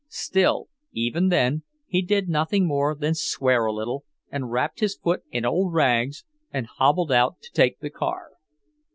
Still, even then, he did nothing more than swear a little, and wrapped his foot in old rags, and hobbled out to take the car.